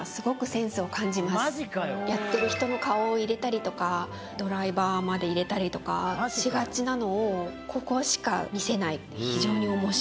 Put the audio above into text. やってる人の顔を入れたりとかドライバーまで入れたりとかしがちなのをここしか見せない。